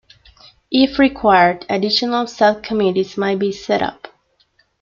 If required, additional sub-committees may be set up.